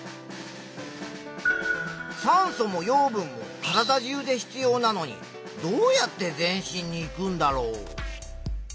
酸素も養分も体中で必要なのにどうやって全身にいくんだろう？